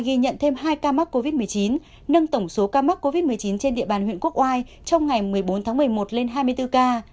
ghi nhận thêm hai ca mắc covid một mươi chín nâng tổng số ca mắc covid một mươi chín trên địa bàn huyện quốc oai trong ngày một mươi bốn tháng một mươi một lên hai mươi bốn ca